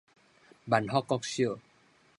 萬福國小